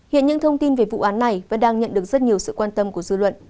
hiện những thông tin về vụ án này vẫn đang nhận được rất nhiều sự quan tâm của dư luận